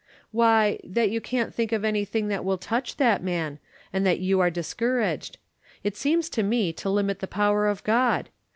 " Why, that you can't think of anything that will touch that man, and that you are discour aged. It seems to me to limit the power of God.